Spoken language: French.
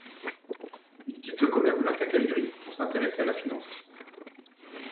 Il quitte le commerce de la quincaillerie pour s'intéresser à la finance.